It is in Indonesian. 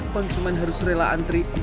konsumen harus rela antri